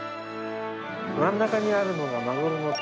真ん中にあるのが、マグロの卵？